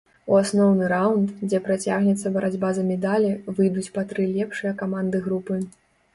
У асноўны раўнд, дзе працягнецца барацьба за медалі, выйдуць па тры лепшыя каманды групы.